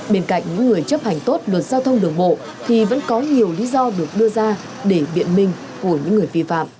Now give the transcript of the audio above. bên cạnh những người chấp hành tốt luật giao thông đường bộ thì vẫn có nhiều lý do được đưa ra để biện minh của những người vi phạm